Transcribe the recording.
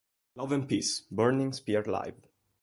Love and Peace: Burning Spear Live!